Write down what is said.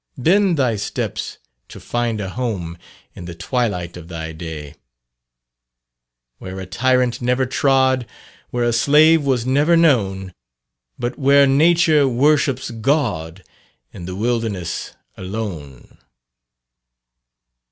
Bend thy steps to find a home, In the twilight of thy day. Where a tyrant never trod, Where a slave was never known But where Nature worships God In the wilderness alone."